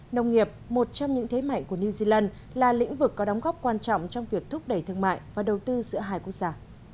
nông nghiệp một trong những thế mạnh của new zealand là lĩnh vực có đóng góp quan trọng trong việc thúc đẩy thương mại và đầu tư giữa hai quốc gia